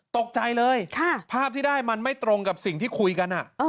ตกใจเลยภาพที่ได้มันไม่ตรงกับสิ่งที่คุยกัน